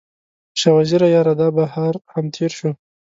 شاه وزیره یاره، دا بهار هم تیر شو